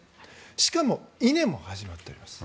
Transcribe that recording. しかも、イネも始まっています。